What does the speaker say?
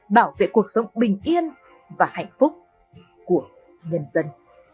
bảo vệ cuộc sống bình yên và hạnh phúc của nhân dân